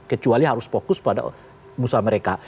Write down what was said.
kecuali harus fokus pada usaha mereka